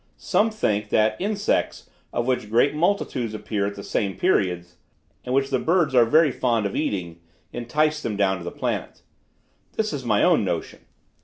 Some think, that insects, of which great multitudes appear at the same periods, and which the birds are very fond of eating, entice them down to the planet. This is my own notion.